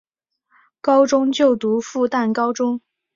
高中就读复旦高中。